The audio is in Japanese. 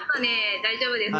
大丈夫ですか？